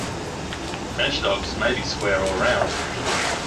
Bench dogs may be square or round.